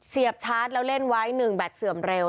ชาร์จแล้วเล่นไว้๑แบตเสื่อมเร็ว